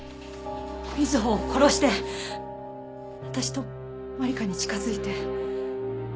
瑞穂を殺して私と万理華に近づいて。